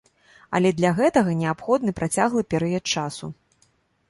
Але для гэтага неабходны працяглы перыяд часу.